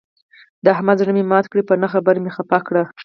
د احمد زړه مې مات کړ، په نه خبره مې خپه کړ.